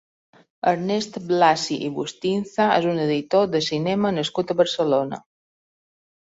Ernest Blasi i Bustinza és un editor de cinema nascut a Barcelona.